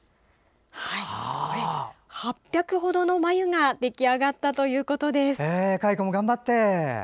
８００ほどの繭が出来上がったということです。